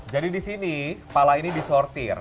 jadi di sini pala ini disortir